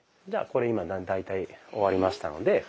じゃあこれ大体終わりましたので。